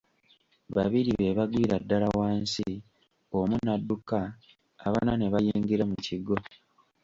Babiri be bagwira ddala wansi, omu n'adduka, abana ne bayingira mu kigo.